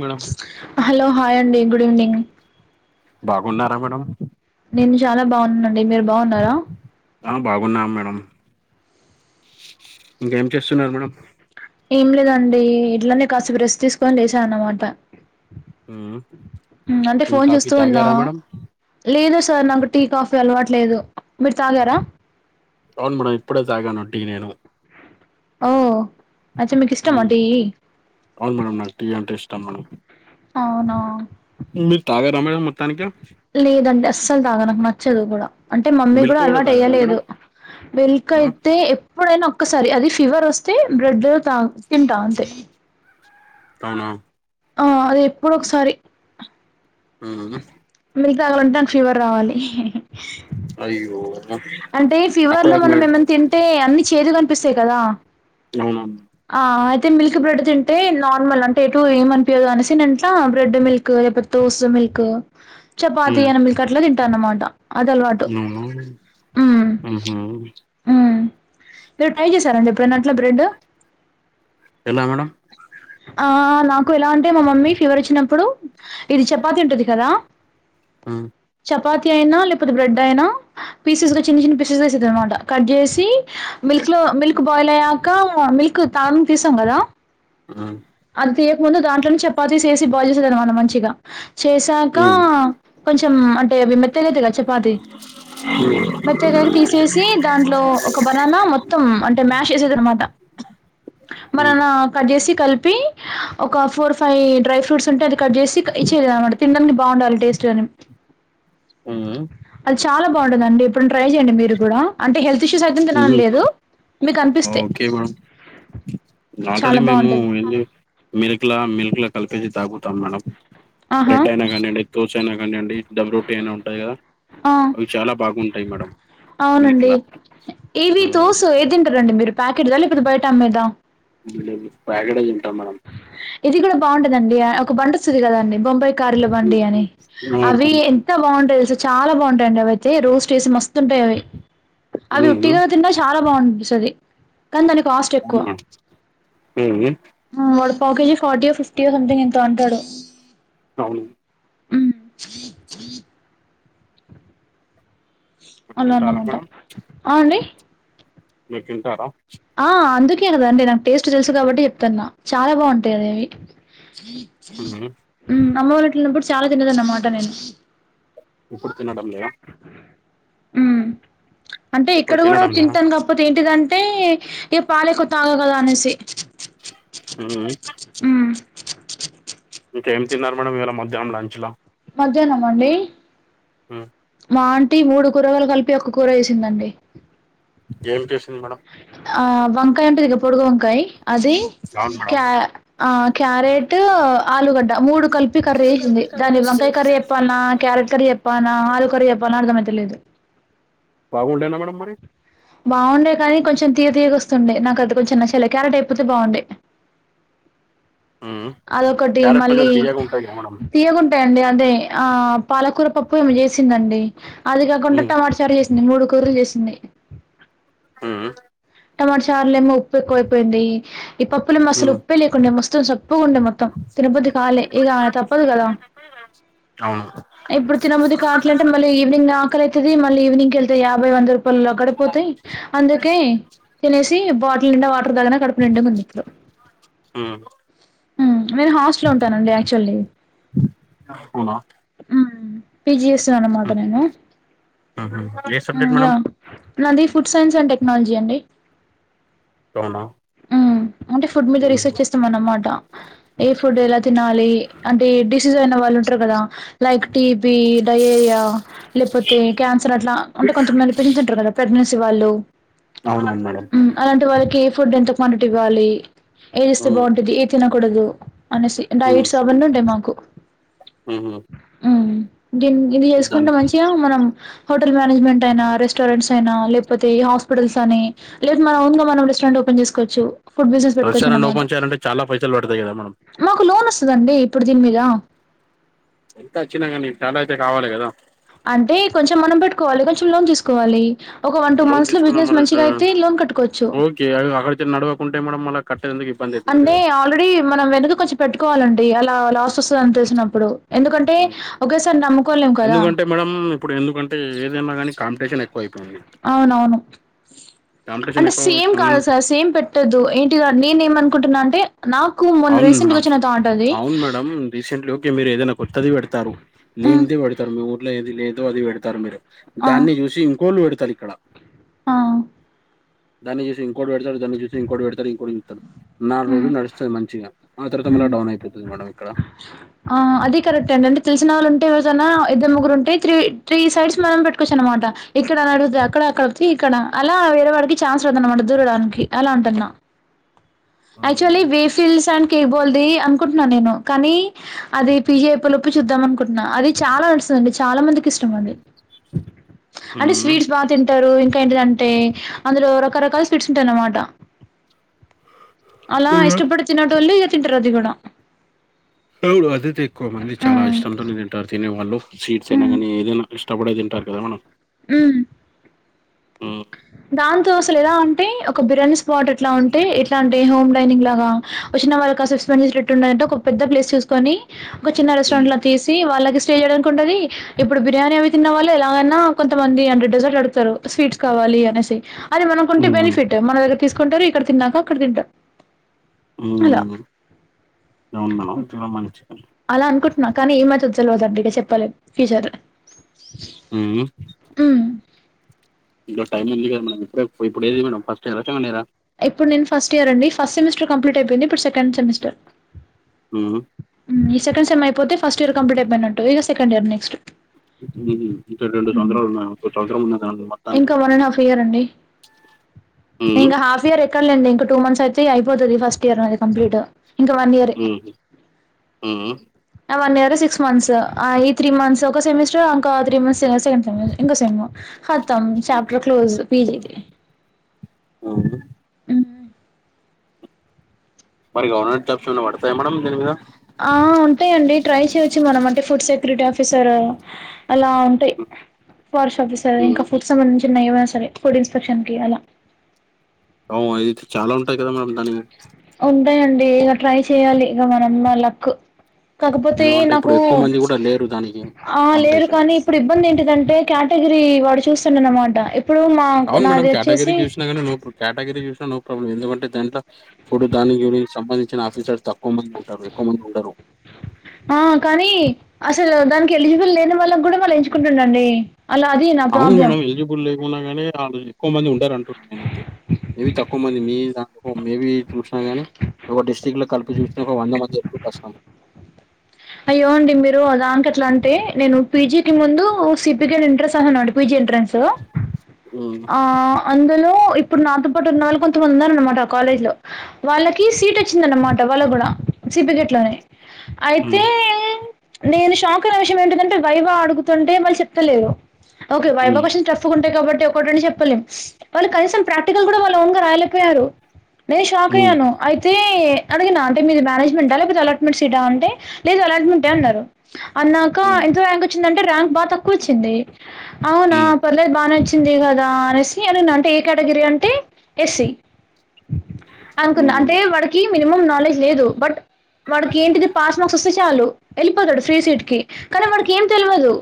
Madam hello hi అండి good evening బాగున్నారా madam నేను చాలా బాగున్నానండి మీరు బాగున్నారా ఆ బాగున్నాం మేడం ఇంకేం చేస్తున్నారు మేడం ఏం లేదండి ఇట్లనే కాసేపు రెస్ట్ తీసుకొని లేచ అనమాట మ్మ్ అంటే టీ ఫోన్ కాఫీ చూస్తూ ఉన్నా తాగారా మేడం లేదు సార్ నాకు టీ కాఫీ అలవాటు లేదు మీరు తాగారా అవును మేడం ఇప్పుడే తాగాను టీ నీను ఓ అచ్చా మీకు ఇష్టమా మ్మ్ టీ అవును మేడం నాకు టీ అంటే ఇష్టం మేడం అవునా మీరు తాగార మేడం మొత్తానికి లేదండి అస్సల్ తాగాను నాకు నచ్చదు కూడా అంటే మమ్మీ కూడా మిల్క్ అలవాటు తాగారా మేడం ఎయ్యాలేదు మిల్క్ మ్మ్ అయితే ఎప్ ఇప్పుడైనా ఒక్కసారి అది ఫీవర్ వస్తే బ్రెడ్ తా తింటా అంతే తావునా ఆ అది ఎప్పుడో ఒకసారి ఉనా మీకు కావలంటే నాకు ఫీవర్ రావాలి అయ్యో అంటే ఫీవర్ అక్కడ లో మనం మేడం ఏమన్నా తింటే అన్ని చేదుగా అనిపిస్తాయి కదా ఎమాని ఆ అయితే మిల్క్ బ్రెడ్ తింటే నార్మల్ అంటే ఎటు ఏమనిపియదు అనేసి నంటా బ్రెడ్ మిల్క్ లేకపోతే దోస మిల్క్ చపాతీ అయిన మిల్క్ అట్లా తింటా అన్నమాట అది అలవాటు ఉనా ఆహ ఆ మీరు ట్రై చేశారండి ఎప్పుడైనా అట్లా బ్రెడ్ ఎలా మేడం ఆ నాకు ఎలా అంటే మా మమ్మీ ఫీవర్ వచ్చినప్పుడు ఇది చపాతి ఉంటది కదా ఉమ్ చపాతి అయినా లేకపోతే బ్రెడ్ అయినా పీసెస్ గా చిన్న చిన్న పీసెస్ వేసేస్ అన్మాట కట్ జేసి హా మిల్క్ లో మిల్క్ బాయిల్ అయ్యాక మిల్క్ తాం తీసాం కదా ఆ అది తీయకముందు దాంట్లోనే చపాతీస్ ఏసి బాగా బాయిల్ చేసే దంమాట మంచిగా చేసాక కొంచెం అంటే అవి మెత్తగైతది గా చపాతి అ మెత్తగైనాక తీసేసి దాంట్లో ఒక బనానా మొత్తం అంటే మ్యాష్ చేసేది అనమాట మ్మ్ బనానా కట్ చేసి కల్పి ఒక ఫోర్ ఫైవ్ డ్రై ఫ్రూట్స్ ఉంటే అది కట్ చేసి ఇచ్చే దన్మాట తినడానికి బాగుండాలి టేస్ట్ గాని అని మ్మ్ అది చాలా బాగుంటుందండి ఎప్పుడన్ ట్రై చేయండి మీరు కూడా అంటే హెల్త్ ఇష్యూస్ అయితే మ్మ్ తినాలన్లేదు ఓకే మేమ్ చాలా ఆల్రడీ మేము బావుంటది. ఏం జే మిల్క్ లా మిల్క్ లా కలిపేసి తాగుతాం మేడం ఆహా! బ్రెడ్ అయినా కానీయండి దోస అయినా కానీయండి డమ్ రొటీ అయినా ఉంటాయ్ గదా? ఆ! అవి చాలా బాగుంటాయ్ మేడం మిల్క్ లా ఏవి తోస ఏ దింటరండి మీరు? పాకెట్దా లేకపోతే బయటమ్మెదా? ప్యాకటె తింటాం మేడం ఇది కూడా బాగుంటదండి ఒక బండస్తుంది కదా అండి బొంబై కార్లు బండి అని అవును అవి ఎం ఎంత బాగుంటాయో తెస చాలా బాగుంటాయండి అవి అయితే రొస్ట్ చేేసి మస్తుంటాయి అవి అవి ఉట్టిగా తిన్నా చాలా బాగున్పిస్తది కానీ దాని కాస్ట్ ఔనా ఉ ఊ ఉమ్ వాడు పావు కేజీ ఫార్టీ యో ఫిఫ్టీయో సంథింగ్ ఎంతో అంటాడు అవును మ్మ్ అలా తింటారా అన్నమాట మేడం అవుండి మీర్ తింటారా? ఆ అందుకే కదండి నాకు టేస్ట్ తెలుసు కాబట్టి చెప్తాన్నా చాలా బాగుంటాయి అవి ఉహు. ఉమ్ అమ్మ వావిట్లో ఉన్నప్పుడు చాలా తినేదన్నమాట నేను ఇప్పుడు తినడం లేదా? ఉమ్ అంటే ఇప్పుడు ఇక్కడ కూడా తినడం లేదా తింటాను కాకపోతే ఏంటిదంటే ఇక పాలెక్కువ తాగవు కదా అనేసి ఉ ఊ ఉమ్ ఇంకేమి తిన్నారు మేడం ఇవాల మధ్యానం లంచ్ లా? మధ్యానమా అండి హ్మ్ మా ఆంటి మూడు కూరగాయలు కలిపి ఒక్క కూర చెసిందండి ఏం చేసింది మేడం? ఆ వంకాయ్ ఉంటది గా పొడుగు వంకాయ్ అది అవును మేడం క్యా ఆ క్యారెట్, ఆలుగడ్డ మూడు కల్ప్ ప్పి కర్రీ వేసింది దాన్ని వంకాయ కర్రీ చెప్పాల్నా క్యారెట్ కర్రీ చెప్పాల్నా ఆలు కర్రీ చెప్పాల్నా అర్థమైతలేదు బాగుండేనా మేడం మరి? బాగుండే కానీ కొంచెం తీగ తీయక వస్తుండే నాకు అది కొంచెం నచలే క్యారెట్ అయిపోతే బాగుండే ఉం అదొకటి క్యారెట్ మళ్ళీ కొంచెం తీయగుంటాయి క మేడం తీయగుంటాయండి అదే ఆ పాలకూర పప్పు ఏమొ చేసిందండి అదిగా కొంట ఉమ్. టమాటా చారు చేసి మూడు కూరలు చేసింది ఉం టమాటా చారు లెమో ఉప్పు ఎక్కువ అయిపోయింది ఈ పప్పులేమో అసలు ఉమ్. ఉప్పే లేకుండా మొత్తం సప్పుగా ఉండే మొత్త త్తం తినే బుద్ధి కాలె ఇగ తప్పదు కదా అవును ఇప్పుడు తినముది కావట్ అంటే మళ్ళీ ఇప్పుడు తిన బుద్ధి కావట్లే అంటే ఈవినింగ్ ఆకలై తుది మళ్ళీ ఈవినింగ్కి వెళ్తే యాభై వంద రూపాయలు అక్కడిపోతాయి [unintelligible] అందుకే తినేసి బాటిల్ నిండా వాటర్ తాగిన కడుపు నిండుగుంది ఇపుడు ఉం ఉం నేను హాస్టల్ ఉంటానండి యాక్చువల్లీ అవునా ఉం పిజి చెస్తున్నా అన్నమాట నేను ఉహు. ఏ సబ్జెక్ట్ యా మేడం నాది ఫుడ్ సైన్స్ అండ్ టెక్నాలజీ అండి అవునా ఉం అంటే ఫుడ్ మీద రీసెర్చ్ చేస్తామన మాట ఏ ఫుడ్ ఎలా తినాలి అంటే డిసీజ్ అయిన వాళ్ళు ఉంటారు కదా లైక్ టీబి డయేరియా లేకపోతే క్యాన్సర్ అట్లా అంటే కొంతమంది పేషెంట్స్ ఉంటారు కదా ప్రెగనెన్సీ వాళ్ళు అవునా మేడమ్ అలాంటి వాళ్ళకి ఫుడ్ ఎంత క్వాంటిటీ ఇవ్వాలి ఏది ఇస్తే బాగుంటది ఏ తినకూడదు అనేసి డైట్స్ అవన్నీ ఉంటాయి మాకు హు హామ్ ఉం గిన్ని గిన్ని చేసుకుంటే మంచిగా మనం హోటల్ మేనేజ్మెంట్ అయినా రెస్టారెంట్స్ అయినా లేకపోతే హాస్పిటల్స్ అని లేదు మనం ఓన్ గా మనం రెస్టారెంట్ ఓపెన్ చేసుకోచ్చు రెస్టారెంట్ ఓపన్ చేయాలంట చాలా పైసలు పడాయి కద మేడం మాకు లోన్ వస్తుందండి ఇప్పుడు దీని మీద ఎంత వచ్చినా గానీ చాలా అయితే కావాలి కదా అంటే కొంచెం మనం పెట్టుకోవాలి కొంచెం లోన్ తీసుకోవాలి ఒక వన్ టూ లోన్ మంత్స్ లో బిజినెస్ మంచిగా అయితే లోన్ కట్టుకోవచ్చు [unintelligible] అక్కడ నడవాకుంటాయి మ్యాడం మ అంటే ఆల్రెడీ మనం వెనక కొంచెం పెట్టుకోవాలండి అలా లాస్ వస్తుందని తెలిసినప్పుడు ఎందుకంటే ఒకేసారి నమ్ముకోలేము కదా ఎందుకంటే మేడం ఇప్పుడు ఎందుకంటే ఏదైనా ఏమైనా కాని కాంపిటీషన్ ఎక్కువ అయిపోయింది అవునవును కాంపిటీషన్ అంటే సేమ్ ఎక్కువ కాదు సార్ సేమ్ పెట్ ట్టదు ఏంటి నేను ఏమనుకుంటున్నా అంటే నాకు మొన్న రీసెంట్ అవును గా వచ్చిన తాట్ అది అవును మేడం రీసెంట్లీ ఓకే మీరు ఏదైనా కొత్తది పెడతారు హ్మ్, లేనిద పెడతారు మీ ఊర్లో ఏది లేదో అది పెడతారు మీరు ఆ, దాన్ని చూసి ఇంకోళ్ళు పెడతారు ఇక్కడ ఆ దాన్ని చూసి ఇంకోటి పెడతారు దాన్ని చూసి ఇంకోటి పెడతారు ఇంకోటి చూస్తారు నాలుగు హ్మ్, రోజలు నడుస్తా మంచిగా ఆ తరువాత మళ్ళీ హ్మ్, డౌన్ అయిపోతుంది మ్యాడమ్ ఇక్కడ ఆ అది కరెక్ట్ అండి అంటే తెలిసిన వాళ్ళుంటే [unintelligible] ఏదైనా ఇద్దరు ముగ్గురుంటే త్రీ త్రీ సైడ్స్ మనం పెట్టుకోవచ్చు అనమాట ఇక్కడ అడిగితే అక్కడ అక్కడతే ఇక్కడ అలా వేరే వాడికి ఛాన్స్ రాదన్న మాట దూరడానికి అలా అంటున్నా యాక్చువల్లీ వేఫిల్స్ అండ్ కేక్ బాల్ది అనుకుంటున్నాను నేను కానీ అది పిజి అయిపోయే లొప్ చూద్దాం అనుకుంటున్నా అది చాలా నడుస్తుందండి చాలా మందికి ఇష్టం అండి అంటే మ్మ్. స్వీట్స్ బాగా తింటారు ఇంకా ఏంటిదంటే అందులో రకరకాల స్వీట్స్ ఉంటాయి అన్నమాట అలా ఇష్టపడి తిన్నోటులు ఇగ తింటారు అది కూడా అవును అదైతే ఎక్కువ మంది చాలా హ్మ్ ఇష్టంతోనే తింటారు తినే వాళ్ళు సీట్స్ అయినా హ్మ్ కాగానీ ఏదైనా ఇష్టపడే తింటారు కదా మేడం ఉమ్ మ్మ్. దాంతో అసలు ఎలా అంటే ఒక బిర్యానీ స్పాట్ ఎట్లా ఉంటే ఎట్లా అంటే హోమ్ డైనింగ్ లాగా వచ్చినవాళ్లు కాసేపు స్పెండ్ చేసేటట్టు ఉండేట్టు ఒక పెద్ద ప్లేస్ చూసుకొని ఒక రెస్టారెంట్ మ్మ్. లాగా తీసి వాళ్ళకి స్టే చేయడానికి ఉంటది ఇప్పుడు బిర్యానీ అవి తిన్న వాళ్లు ఎలాగైనా కొంతమంది హండ్రెడ్ పర్సెంట్ డెజర్ట్ అడుగుతారు స్వీట్స్ కావాలి అనేసి అది మనకుంటే మ్మ్. బెనిఫిట్ మన దగ్గర తీసుకుంటారు ఇక్కడ తిన్నాక అక్కడ తింటారు అలా ఉమ్ ఏముంది మేడం తిన్నాం కానీ చెప్పండి అలా అనుకుంటున్నా కానీ ఏమైతుందో తెలవదు అంటే చెప్పలే ఫ్యూచర్ లో హ ఉమ్ ఇంకా టైం ఉందిగాదా మేడం ఇప్పుడు ఇప్పుడు ఏది మేడం ఫస్ట్ ఇయ్యరా సెకండ్ ఇయ్యరా ఇప్పుడు నేను ఫస్ట్ ఇయర్ అండి ఫస్ట్ సెమిస్టర్ కంప్లీట్ అయిపోయింది ఇప్పుడు సెకండ్ సెమిస్టర్ ఉ ఈ సెకండ్ సమ్ అయిపోతే ఫస్ట్ ఇయర్ కంప్లీట్ అయి పోయినట్టు ఈక సకండ్ ఇయర్ నెక్స్ట్ ఇంకా రెండు హ్మ్. సంవత్సరాలు ఉన్నా ఒక సంవత్సరం ఉన్న మొత్తాన్ని ఇంకా వన్ అండ్ హఫ్ ఇయర్ అండి ఉ ఇంకా హాఫ్ ఇయర్ ఎక్కడలేండి ఇక టూ మంత్స్ అయితే అయిపోతది ఫస్ట్ ఇయర్ అది కంప్లీట్ ఇంకా వన్ ఇయర్ ఉమ్ ఉ వన్ ఇయర్ సిక్స్ మంత్స్ ఆ ఈ త్రీ మంత్స్ ఒక సెమిస్టర్ ఇంకా త్రీ మంత్స్ సెకండ్ సెమిస్టర్ ఇంకో సెమ్ ఖత్తం చాప్టర్ క్లోస్ పిజిది ఆ ఉ మరి గవర్నంట్ టాక్స్లు ఏమైనా పడతాయా మేడం దీని మీద ఆ ఉంటాయిండి ట్రై చేయవొచ్చు మనం అంటే ఫుడ్ సెక్యూరిటీ ఆఫీసర్ అలా ఉంటాయి ఫారెస్ట్ ఆఫీసర్ ఇంకా హ్మ్. ఫుడ్ సంబంధించిన ఏమైనా సరే ఫుడ్ ఇన్స్పెక్షన్ కి అలా అవు అయితే చాలా ఉంటాయి కదా మేడం దానికి ఉంటాయండి ఇక ట్రై చెయాలి ఇక మనమా లక్ కాకపోతే ఎందుకంటే ఇప్పుడు నాకు ఎక్కువ మంది గూడా లేరు దానికి ఆ లేరు కాంపిటీషన్. కానీ ఇప్పుడు ఇబ్బంది ఏంటిదంటే కేటగిరీ వాడు చూస్తుండ అనమాట ఇప్పుడు మా అవును మేడం నాది కేటగిరీ వచ్చేసి చూసినా కానీ నో కేటగిరీ చూసినాో ప్రబ్ం ఎందుకంటే దాంట్లో ఇప్పుడు దానికి సంబంధించిన ఆఫీసర్ తక్కువ మంది ఉంటారు ఎక్కువ మంది ఉంటారు ఆ కానీ అసలు దానికి ఎలిజిబుల్ లేని వాళ్ళం కూడా మళ్ళ ఎంచుకుంటుండండి అలా అధీ నా అవును ప్రాబ్లం మేడం ఎలిజిబుల్ లేకున్నా కానీ వాళ్ళ ఎక్కువ మంది ఉండారంటడి న్నా అయితే ఏవి తక్కువ మంది మీ దాంట్ మేబి చూసినా గాని ఒక డిస్టిరిక్ట్ లో కలిపి చూసిన ఒక వంద మంది ఎరుడు కష్టాం అయ్యో అండి మీరు అ దానికి అట్లా అంటే నేను పీజీకి ముందు సిపిగా ఎంట్రన్స్ అని పి జీ ఎంట్రెన్స్ హ్మ్. ఆ అందులో ఇప్పుడు నాతో పాటు ఉన్న వాళ్ళు కొంతమంది ఉన్నారుఅనమాట ఆ కాలేజ్ లో వాళ్ళకీ సీట్ వచ్చిందన్నమాట వాళ్ళ కూడా సిపికెట్ లోనే ఆ మ్ నేను షాక్ అయిన విషయం ఏంటిదంటే వైభా అడుగుతుంటే వాళ్ళు చెప్తలేరు ఓకే వైభా హ్మ్. వర్షన్ ట్ర చ్చుకుంటాయి కాబట్టి ఒకటిరెండు చెప్పలేం వాళ్ళు కనీసం ప్రాక్టికల్ కూడా వాళ్ళు ఓన్గ రాయలేకపోయారు నేను షాక్ హ్మ్. అయ్యాను అయితే అదిగి నాంటైప్ మీది మేనేజ్మెంటా లేకపోతే అలాట్మెంట్ సీటీ నా అంటే లేదు అలాట్మెంటే అన్నారు అన్నాక్ ఊ ర్యాంక్ వచ్చిందింటే ర్యాంక్ బా తక్కువ వచ్చిందే అవునా హ్మ్. పర్లేదు బానే వచ్చింది చ్చింది కదా అనేసీ అనిన అంటే ఏ కేటగిరీ అంటే ఎస్సీ అనుకున్న అంటే హ్మ్. వాడికీ మినిమం నాలెడ్జ్ లేదు బట్ వాడికి ఏంటిది పాస్ మార్క్స్ వస్తే చాలు వెళ్ళిపోతాడు ఫ్రీ సీట్ కి కానీ వాడికి ఏం తెలవదు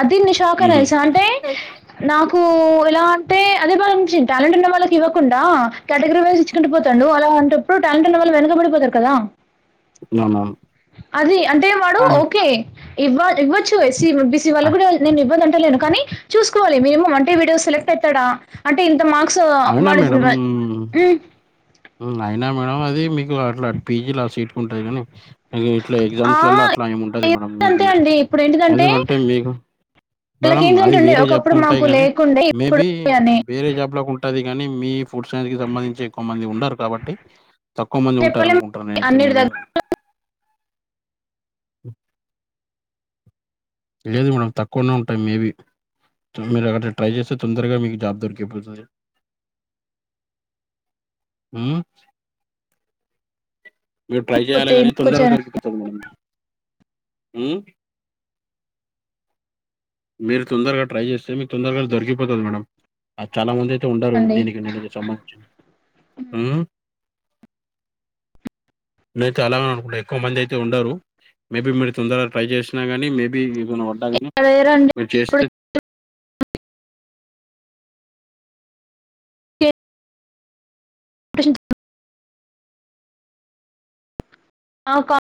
అదీ నిష్క్ క్లాక హ్మ్. హ్మ్. తెల్సా అంటే నాకూ ఎలా అంటే అనిపించింది టాలెంట్ ఉన్న వాళ్ళకి ఇవ్వకుండా కేటగిరివైజ్ ఇచ్చుకుంటూ పోతండు అలాంటప్పుడు టాలెంట్ ఉన్న వాళ్ళు వెనకబడిపోతారు కదా నాన్నన్ అదీ అంటే వాడు ఓకే ఇవ్వాలి ఇవ్వచ్చు ఎస్సీ బీసీ వాళ్ళ ఆ! కూడా నేను ఇవ్వదంటలేను కానీ చూసుకోవాలి మినిమం అంటే వీడు సెలెక్ట్ పెట్టడా అంటే ఇంత మార్క్సూ అవునా వాడకి వచ్ ఉ ఉమ్ అయినా మేడం అదీ మీకు అట్లా పీజీలా ఆ సీట్కు ఉంటది కానీ ఇగో ఇట్లా ఆ! ఎగ్జామ్స్ లల్లా అట్లా ఏమి ఉంటది మేడమ్ మేబి అంతే అండి. ఇప్పుడేంటిదంటే ఎందుకంటే మీకు మేడం అది వాళ్ళకేంటిదంటే ఉండే వేరే జాబ్ కు ఒకప్పుడు ఉంటాయి మాకు కానీ లేకుండే మేబీ ఇప్పుడు అని వేరే జాబ్ లో ఉంట టది కానీ మీ ఫుడ్సెన్ కి సంబంధించి ఎక్కువ మంది ఉండారు కాబట్టి తక్కువ మంది ఉంటారు చెప్పలేం అనుకుంటాన్న నేనైతే అన్నిటి మేబీ దగ్గర లేదు మేడం తక్కువనే ఉంటయ్ మేబీ సో మీరు అక్కడ ట్రై చేస్తే తొందరగా మీకు జాబ్ దొరికిపోతది ఊ మీరు ట్రై చేయాలే పోతే కానీ తొందరగా ఎందుకొచ్చారండి. దొరికిపోతావు మేడం ఉమ్ మీరు తొందరగా ట్రై చేస్తే మీక్ తొందరగా దొరికిపోతది మేడం. ఆ చాలా మంది అయితే ఉంటారు దీనికి నేనిదే సంబంధించి ఉమ్ నే చాలానే అనుకుంటా ఎక్కువ మంది అయితే ఉండరూ మేబీ మీరు తొందర ట్రై చేసినా గానీ మేబీ యునో వడ్డాగినీ ఇక్కడ లేరండి. మీరు చేస్తే ఏ ప్రశ్నిద్ ఆ ఒకా